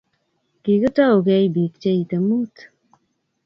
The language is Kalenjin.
Kikitou kei bik cheitei mut